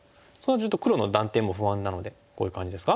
ちょっと黒の断点も不安なのでこういう感じですか？